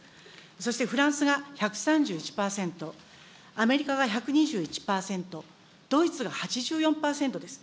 そしてフランスが１３１％、アメリカが１２１％、ドイツが８４％です。